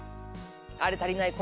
あれ足りない。